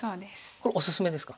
これおすすめですか。